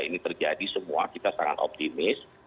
ini terjadi semua kita sangat optimis